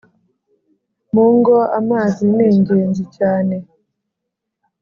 Mu ngo, amazi ningenzi cyane